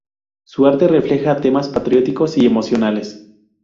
Su arte refleja temas patrióticos y emocionales.